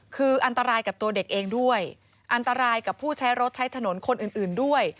คืออันตรายกับตัวเด็กเองด้วยอันตรายกับผู้ใช้รถใช้ถนนคนอื่นด้วย